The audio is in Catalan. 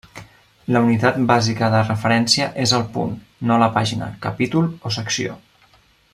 La unitat bàsica de referència és el punt, no la pàgina, capítol o secció.